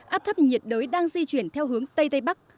áp thấp nhiệt đới đang di chuyển theo hướng tây tây bắc